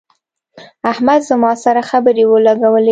احمد زما سره خپړې ولګولې.